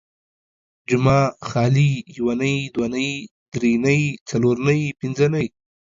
جمعه ، خالي ، يونۍ ،دونۍ ، دري نۍ، څلور نۍ، پنځه نۍ